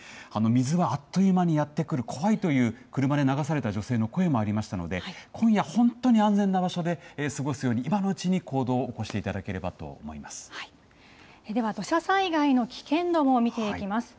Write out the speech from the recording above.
水はあっという間にやって来る、怖いという、車で流された女性の声もありましたので、今夜、本当に安全な場所で過ごすように、今のうちに行動を起こしていただければと思いまでは、土砂災害の危険度も見ていきます。